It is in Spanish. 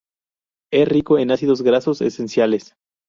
Es rico en ácidos grasos esenciales.